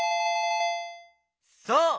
そう！